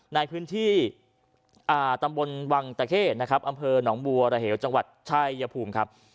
ในพื้นที่ตำบลวังตะเข้นะครับอำเภอหนองบัวระเหวจังหวัดชายภูมิครับ